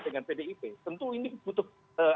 dengan pdip tentu ini butuh